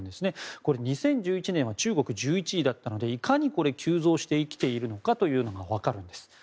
これ２０１１年は中国は１１位だったのでいかに急増してきているのかが分かるんです。